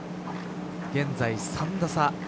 現在３打差。